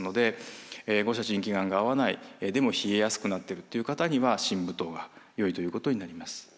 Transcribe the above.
腎気丸が合わないでも冷えやすくなってるという方には真武湯がよいということになります。